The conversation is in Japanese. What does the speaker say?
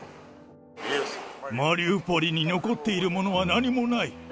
マリウポリに残っているものは何もない。